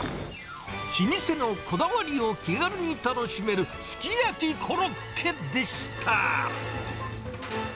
老舗のこだわりを気軽に楽しめるすき焼コロッケでした。